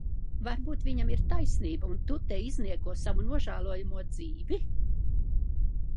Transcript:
Varbūt viņam ir taisnība un tu te iznieko savu nožēlojamo dzīvi?